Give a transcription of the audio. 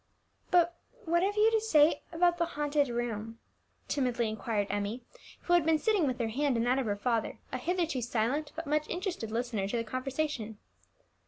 "But what have you to say about the haunted room?" timidly inquired Emmie, who had been sitting with her hand in that of her father, a hitherto silent but much interested listener to the conversation.